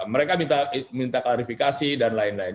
mereka minta klarifikasi dan lain lain